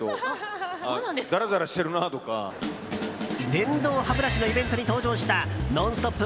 電動歯ブラシのイベントに登場した「ノンストップ！」